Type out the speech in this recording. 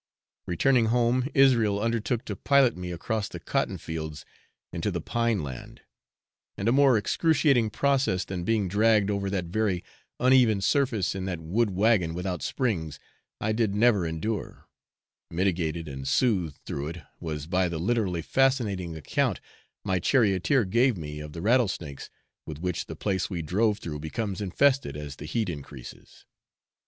Returning home, Israel undertook to pilot me across the cotton fields into the pine land; and a more excruciating process than being dragged over that very uneven surface in that wood wagon without springs I did never endure, mitigated and soothed though it was by the literally fascinating account my charioteer gave me of the rattlesnakes with which the place we drove through becomes infested as the heat increases.